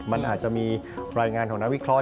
มันอาจจะมีรายงานของนักวิเคราะ